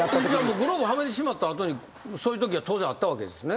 グローブはめてしまった後にそういうときは当然あったわけですね。